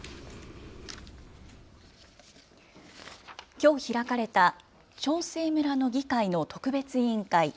きょう開かれた長生村の議会の特別委員会。